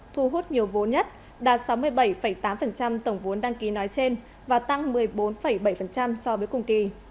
thu hút nhiều vốn nhất đạt sáu mươi bảy tám tổng vốn đăng ký nói trên và tăng một mươi bốn bảy so với cùng kỳ